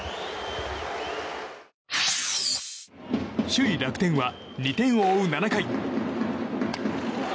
首位、楽天は２点を追う７回。